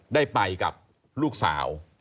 ได้ไปกับลูกสาว